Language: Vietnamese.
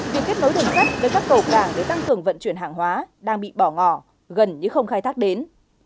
việc kết nối hành khách với các cầu cảng để tăng cường vận chuyển hàng hóa đang bị bỏ ngỏ gần như không khai thác đến